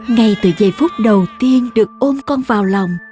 ngay từ giây phút đầu tiên được ôm con vào lòng